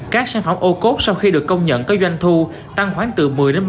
các sản phẩm ô cốt sau khi được công nhận có doanh thu tăng khoảng từ một mươi ba mươi